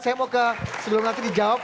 saya mau ke sebelum nanti dijawab